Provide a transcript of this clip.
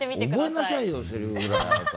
覚えなさいよセリフぐらいあなた。